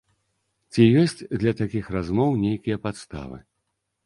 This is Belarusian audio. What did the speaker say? Ці ёсць для такіх размоў нейкія падставы?